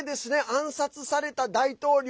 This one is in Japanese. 暗殺された大統領。